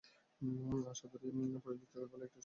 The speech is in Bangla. আশা ধরিয়া পড়িল, চোখের বালির একটা ছবি লইতেই হইবে।